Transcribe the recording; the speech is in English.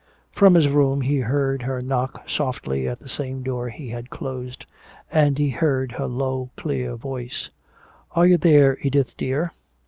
From his room he heard her knock softly at the same door he had closed. And he heard her low clear voice: "Are you there, Edith dear?"